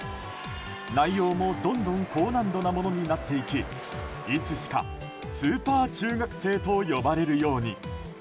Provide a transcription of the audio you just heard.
内容も、どんどん高難度なものになっていきいつしかスーパー中学生と呼ばれるように。